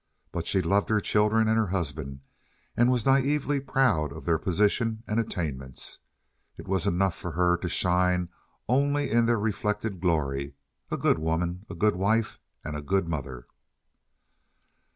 But she loved her children and her husband, and was naively proud of their position and attainments. It was enough for her to shine only in their reflected glory. A good woman, a good wife, and a good mother.